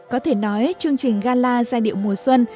có thể nói chương trình gala giai điệu mùa xuân